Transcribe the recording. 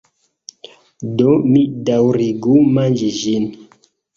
Do, mi daŭrigu manĝi ĝin.